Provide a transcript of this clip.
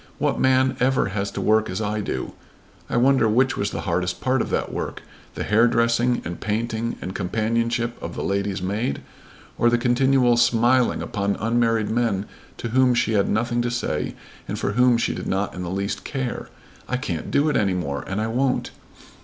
What man ever has to work as I do?" I wonder which was the hardest part of that work, the hairdressing and painting and companionship of the lady's maid or the continual smiling upon unmarried men to whom she had nothing to say and for whom she did not in the least care! "I can't do it any more, and I won't.